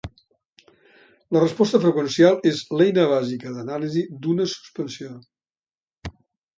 La resposta freqüencial és l'eina bàsica d'anàlisi d'una suspensió.